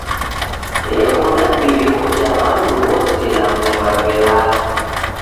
Eko na iriko ja w'andu w'ose na vumba velala.